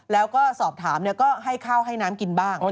แล้วก็สอบถามก็ให้ข้าวให้น้ำกินบ้าง